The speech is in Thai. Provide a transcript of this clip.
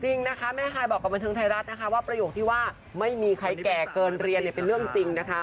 จริงนะคะแม่ฮายบอกกับบันเทิงไทยรัฐนะคะว่าประโยคที่ว่าไม่มีใครแก่เกินเรียนเป็นเรื่องจริงนะคะ